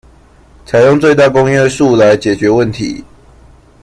採用最大公約數來解決問題